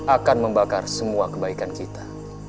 akan membakar semua kebaikan kita